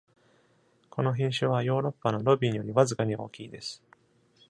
この品種はヨーロッパのロビンよりわずかに大きいです。